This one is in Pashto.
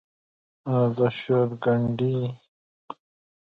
او د شور ګنډي